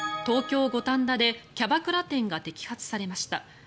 東京・五反田でキャバクラ店が摘発されました。